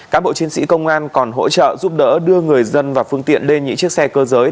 các bộ chiến sĩ công an còn hỗ trợ giúp đỡ đưa người dân và phương tiện lên những chiếc xe cơ giới